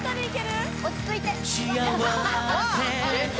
落ち着いて元太？